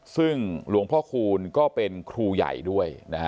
ซึ่งหลวงพระคุณก็เป็นครูใหญ่ด้วย